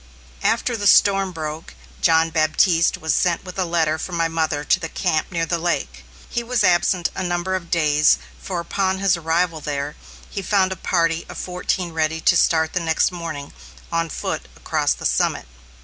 After the storm broke, John Baptiste was sent with a letter from my mother to the camp near the lake. He was absent a number of days, for upon his arrival there, he found a party of fourteen ready to start next morning, on foot, across the summit.